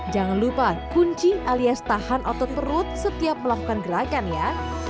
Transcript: jangan lupa kunci alias tahan otot perut setiap melakukan gerakan ya